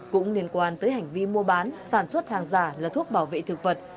cũng liên quan tới hành vi mua bán sản xuất hàng giả là thuốc bảo vệ thực vật